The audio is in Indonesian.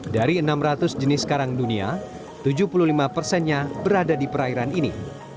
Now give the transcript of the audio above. dari enam ratus jenis karang dunia tujuh puluh lima persennya berada di perairan ini